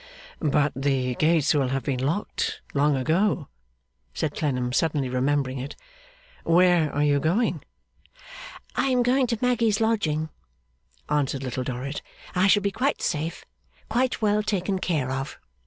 'But the gates will have been locked long ago,' said Clennam, suddenly remembering it. 'Where are you going?' 'I am going to Maggy's lodging,' answered Little Dorrit. 'I shall be quite safe, quite well taken care of.